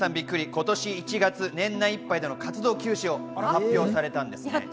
今年１月、年内いっぱいでの活動休止を発表されたんです。